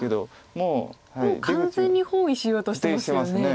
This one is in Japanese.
もう完全に包囲しようとしてますよね。